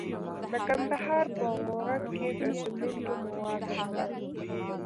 د کندهار په غورک کې د سمنټو مواد شته.